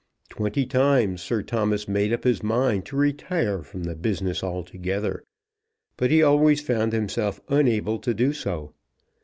Twenty times Sir Thomas made up his mind to retire from the business altogether; but he always found himself unable to do so.